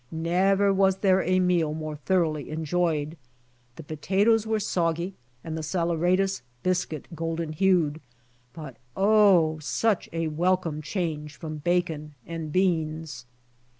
Never. was there a meal more thoroughly enjoyed. The potatoes were soggy and the saleratus biscuit golden hued. But Oh I such a welcome change from bacon and beans.